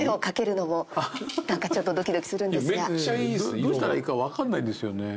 どうしたらいいか分かんないんですよね。